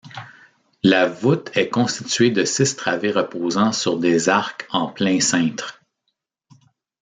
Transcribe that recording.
La voûte est constituée de six travées reposant sur des arcs en plein cintre.